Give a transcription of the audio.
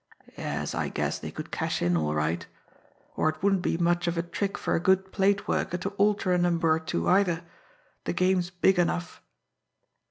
Yes, I guess they could cash in, all right. Or it wouldn't be much of a trick for a good plate worker to alter a number or two, either the game's big enough.